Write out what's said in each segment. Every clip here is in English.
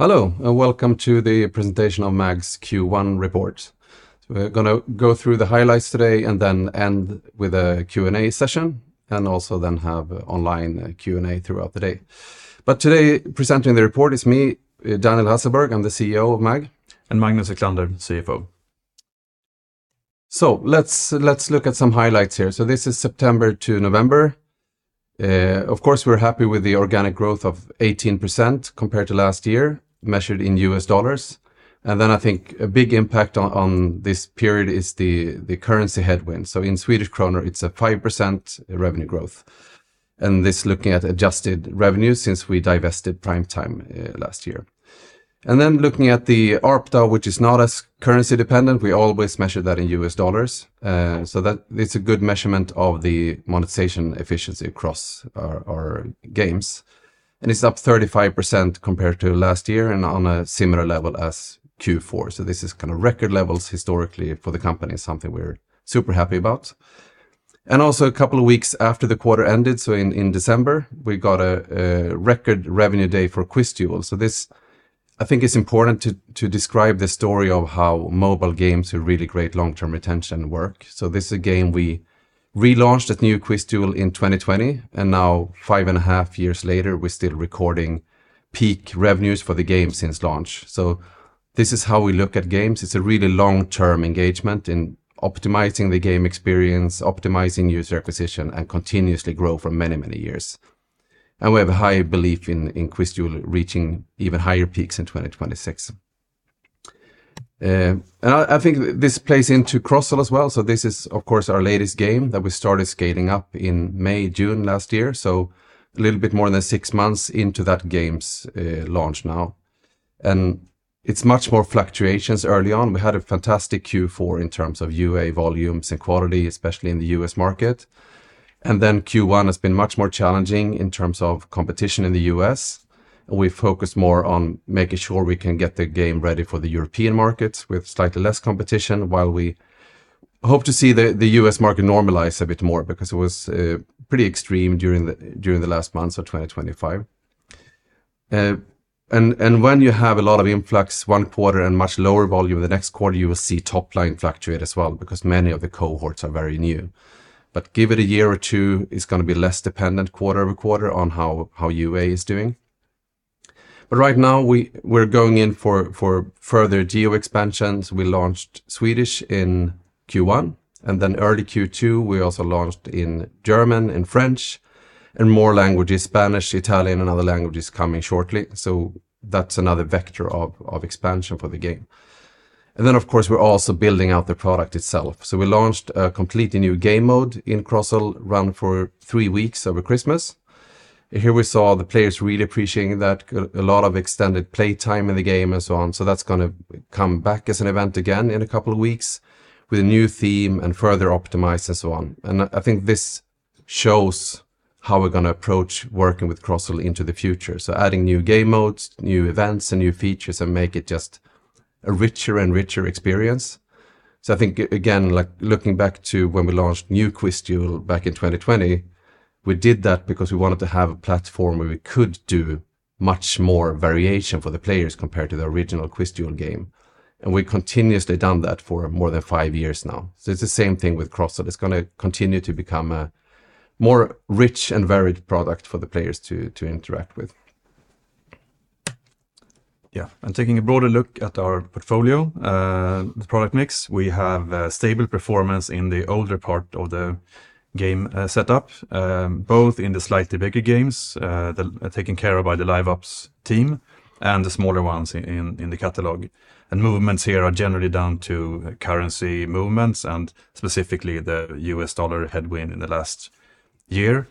Hello, and welcome to the presentation of MAG's Q1 Report. We're going to go through the highlights today and then end with a Q&A session, and also then have online Q&A throughout the day. But today, presenting the report is me, Daniel Hasselberg. I'm the CEO of MAG. Magnus Wiklander, CFO. So let's look at some highlights here. So this is September to November. Of course, we're happy with the organic growth of 18% compared to last year, measured in U.S. dollars. And then I think a big impact on this period is the currency headwind. So in Swedish kronor, it's a 5% revenue growth. And this is looking at adjusted revenues since we divested Primetime last year. And then looking at the ARPDAU, which is not as currency dependent. We always measure that in U.S. dollars. So that is a good measurement of the monetization efficiency across our games. And it's up 35% compared to last year and on a similar level as Q4. So this is kind of record levels historically for the company, something we're super happy about. And also a couple of weeks after the quarter ended, so in December, we got a record revenue day for QuizDuel. So this, I think, is important to describe the story of how mobile games have really great long-term retention work. This is a game we relaunched as New QuizDuel in 2020. And now, five and a half years later, we're still recording peak revenues for the game since launch. This is how we look at games. It's a really long-term engagement in optimizing the game experience, optimizing user acquisition, and continuously grow for many, many years. We have a high belief in QuizDuel reaching even higher peaks in 2026. I think this plays into Crozzle as well. This is, of course, our latest game that we started scaling up in May, June last year. A little bit more than six months into that game's launch now. It's much more fluctuations early on. We had a fantastic Q4 in terms of UA volumes and quality, especially in the U.S. market. Then Q1 has been much more challenging in terms of competition in the U.S. We focused more on making sure we can get the game ready for the European markets with slightly less competition, while we hope to see the U.S. market normalize a bit more because it was pretty extreme during the last months of 2025. When you have a lot of influx one quarter and much lower volume the next quarter, you will see top line fluctuate as well because many of the cohorts are very new. Give it a year or two, it's going to be less dependent quarter over quarter on how UA is doing. But right now, we're going in for further geo-expansions. We launched Swedish in Q1. And then early Q2, we also launched in German and French. And more languages, Spanish, Italian, and other languages coming shortly. So that's another vector of expansion for the game. And then, of course, we're also building out the product itself. So we launched a completely new game mode in Crozzle Run for three weeks over Christmas. Here we saw the players really appreciating that, a lot of extended playtime in the game and so on. So that's going to come back as an event again in a couple of weeks with a new theme and further optimized and so on. And I think this shows how we're going to approach working with Crozzle into the future. So adding new game modes, new events, and new features and make it just a richer and richer experience. I think, again, looking back to when we launched New QuizDuel back in 2020, we did that because we wanted to have a platform where we could do much more variation for the players compared to the original QuizDuel game. And we've continuously done that for more than five years now. So it's the same thing with Crozzle. It's going to continue to become a more rich and varied product for the players to interact with. Yeah, and taking a broader look at our portfolio, the product mix, we have stable performance in the older part of the game setup, both in the slightly bigger games taken care of by the LiveOps team and the smaller ones in the catalog. And movements here are generally down to currency movements and specifically the U.S. dollar headwind in the last year,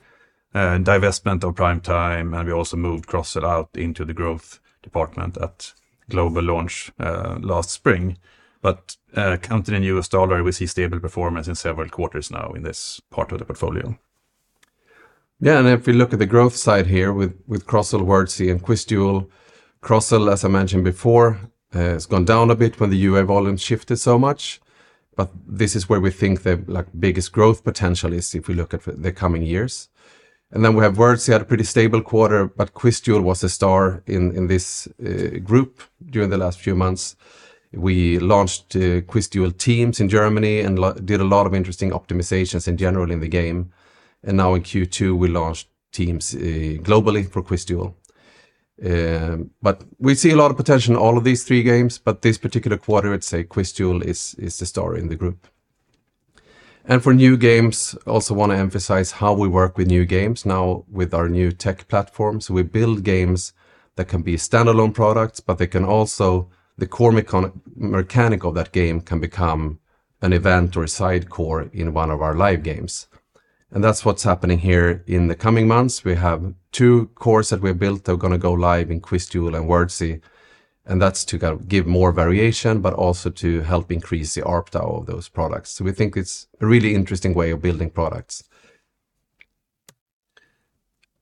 divestment of Primetime. And we also moved Crozzle out into the growth department at global launch last spring. But counted in U.S. dollar, we see stable performance in several quarters now in this part of the portfolio. Yeah, and if we look at the growth side here with Crozzle, Wordzee, and QuizDuel, Crozzle, as I mentioned before, has gone down a bit when the UA volume shifted so much. But this is where we think the biggest growth potential is if we look at the coming years. And then we have Wordzee had a pretty stable quarter, but QuizDuel was the star in this group during the last few months. We launched QuizDuel Teams in Germany and did a lot of interesting optimizations in general in the game. And now in Q2, we launched teams globally for QuizDuel. But we see a lot of potential in all of these three games. But this particular quarter, I'd say QuizDuel is the star in the group. And for new games, I also want to emphasize how we work with new games now with our new tech platform. So we build games that can be standalone products, but they can also the core mechanic of that game can become an event or a side core in one of our live games. And that's what's happening here in the coming months. We have two cores that we have built that are going to go live in QuizDuel and Wordzee. And that's to give more variation, but also to help increase the ARPDAU of those products. So we think it's a really interesting way of building products.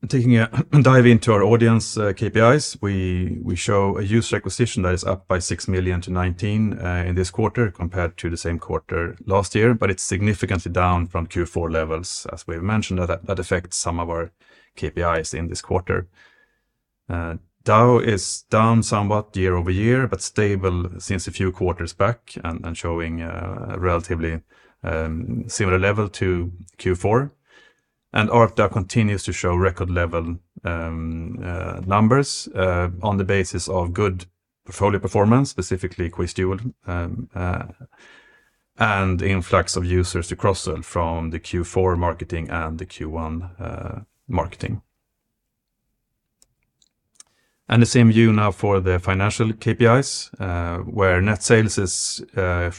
Taking a dive into our audience KPIs, we show a user acquisition that is up by 6 million to 19 million in this quarter compared to the same quarter last year, but it's significantly down from Q4 levels, as we've mentioned, that affects some of our KPIs in this quarter. DAU is down somewhat year over year, but stable since a few quarters back and showing a relatively similar level to Q4. ARPDAU continues to show record level numbers on the basis of good portfolio performance, specifically QuizDuel, and influx of users to Crozzle from the Q4 marketing and the Q1 marketing. The same view now for the financial KPIs, where net sales is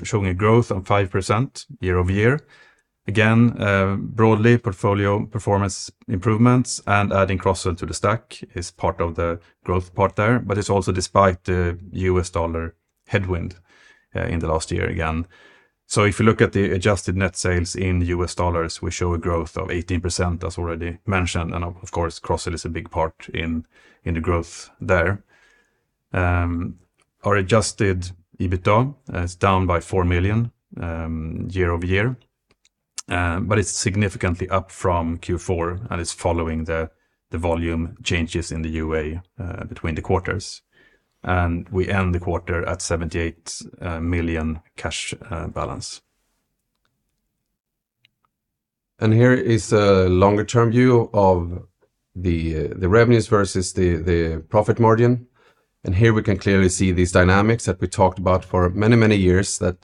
showing a growth of 5% year over year. Again, broadly, portfolio performance improvements and adding Crozzle to the stack is part of the growth part there. But it's also despite the US dollar headwind in the last year again. So if you look at the adjusted net sales in U.S. dollars, we show a growth of 18%, as already mentioned. And of course, Crozzle is a big part in the growth there. Our adjusted EBITDA is down by 4 million year over year. But it's significantly up from Q4, and it's following the volume changes in the UA between the quarters. And we end the quarter at 78 million cash balance. Here is a longer-term view of the revenues versus the profit margin. Here we can clearly see these dynamics that we talked about for many, many years that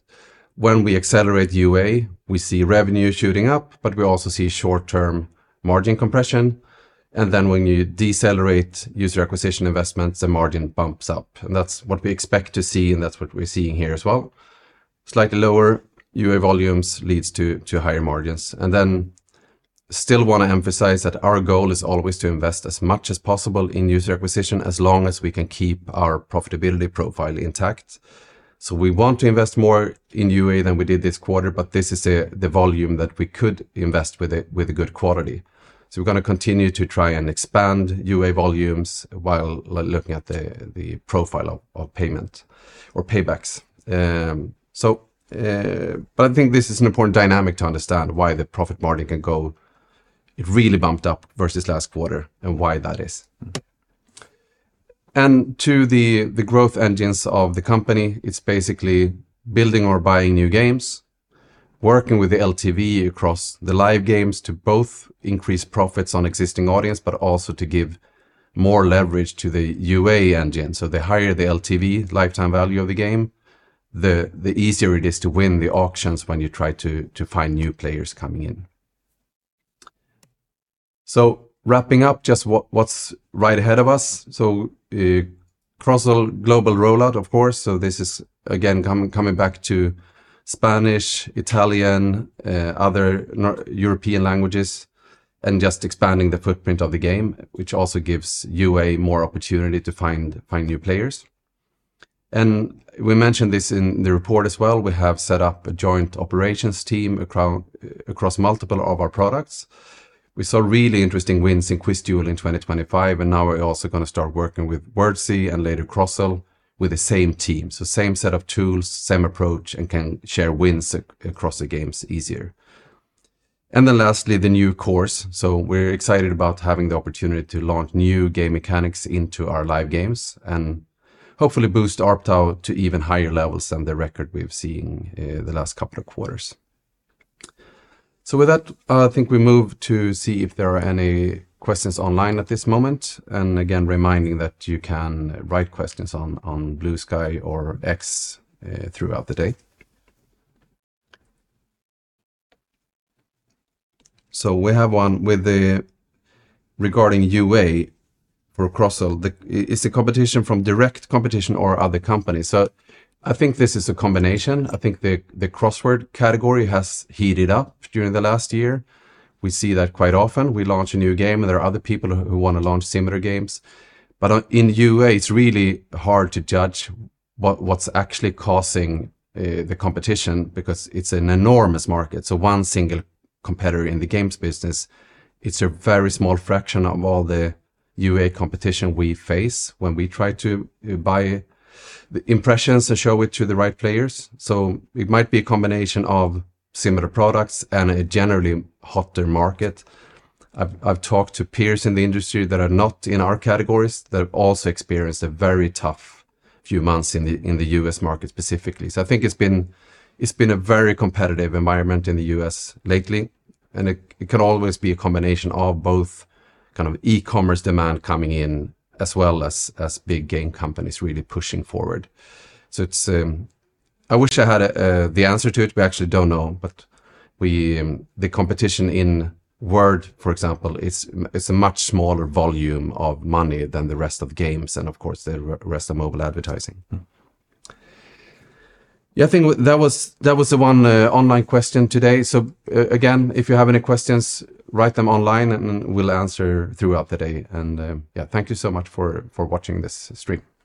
when we accelerate UA, we see revenue shooting up, but we also see short-term margin compression. When you decelerate user acquisition investments, the margin bumps up. That's what we expect to see, and that's what we're seeing here as well. Slightly lower UA volumes leads to higher margins. Still want to emphasize that our goal is always to invest as much as possible in user acquisition as long as we can keep our profitability profile intact. We want to invest more in UA than we did this quarter, but this is the volume that we could invest with a good quality. We're going to continue to try and expand UA volumes while looking at the profile of payment or paybacks. But I think this is an important dynamic to understand why the profit margin can go really bumped up versus last quarter and why that is. And to the growth engines of the company, it's basically building or buying new games, working with the LTV across the live games to both increase profits on existing audience, but also to give more leverage to the UA engine. So the higher the LTV, lifetime value of the game, the easier it is to win the auctions when you try to find new players coming in. Wrapping up just what's right ahead of us. So Crozzle global rollout, of course. So this is, again, coming back to Spanish, Italian, other European languages, and just expanding the footprint of the game, which also gives UA more opportunity to find new players. And we mentioned this in the report as well. We have set up a joint operations team across multiple of our products. We saw really interesting wins in QuizDuel in 2025. And now we're also going to start working with Wordzee and later Crozzle with the same team. So same set of tools, same approach, and can share wins across the games easier. And then lastly, the new cores. So we're excited about having the opportunity to launch new game mechanics into our live games and hopefully boost ARPDAU to even higher levels than the record we've seen the last couple of quarters. With that, I think we move to see if there are any questions online at this moment. And again, reminding that you can write questions on Bluesky or X throughout the day. So we have one regarding UA for Crozzle. Is the competition from direct competition or other companies? So I think this is a combination. I think the crossword category has heated up during the last year. We see that quite often. We launch a new game, and there are other people who want to launch similar games. But in UA, it's really hard to judge what's actually causing the competition because it's an enormous market. So one single competitor in the games business, it's a very small fraction of all the UA competition we face when we try to buy impressions and show it to the right players. So it might be a combination of similar products and a generally hotter market. I've talked to peers in the industry that are not in our categories that have also experienced a very tough few months in the U.S. market specifically. So I think it's been a very competitive environment in the U.S. lately. And it can always be a combination of both kind of e-commerce demand coming in as well as big game companies really pushing forward. I wish I had the answer to it. We actually don't know. But the competition in Word, for example, it's a much smaller volume of money than the rest of games and, of course, the rest of mobile advertising. Yeah, I think that was the one online question today. So again, if you have any questions, write them online, and we'll answer throughout the day. Yeah, thank you so much for watching this stream. Thank you.